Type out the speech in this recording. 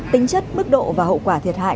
tính chất mức độ và hậu quả thiệt hại